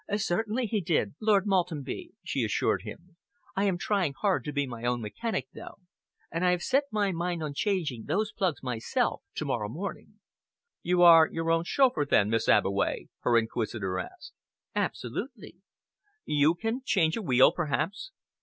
"Certainly he did, Lord Maltenby," she assured him. "I am trying hard to be my own mechanic, though, and I have set my mind on changing those plugs myself to morrow morning." "You are your own chauffeur, then, Miss Abbeway?" her inquisitor asked. "Absolutely." "You can change a wheel, perhaps?"